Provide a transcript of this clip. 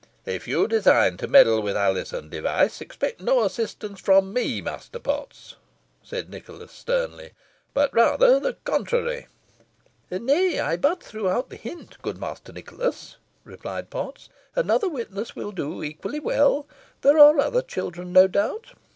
"If you design to meddle with Alizon Device, expect no assistance from me, Master Potts," said Nicholas, sternly, "but rather the contrary." "Nay, I but threw out the hint, good Master Nicholas," replied Potts. "Another witness will do equally well. There are other children, no doubt.